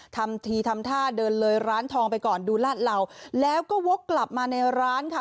ทำทีทำท่าเดินเลยร้านทองไปก่อนดูลาดเหล่าแล้วก็วกกลับมาในร้านค่ะ